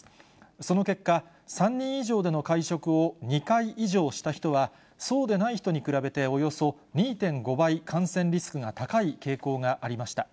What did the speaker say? その結果、３人以上での会食を２回以上した人はそうでない人に比べて、およそ２．５倍感染リスクが高い傾向がありました。